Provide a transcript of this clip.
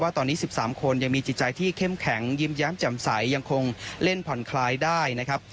ตอนนี้๑๓คนยังมีจิตใจที่เข้มแข็งยิ้มแย้มแจ่มใสยังคงเล่นผ่อนคลายได้นะครับ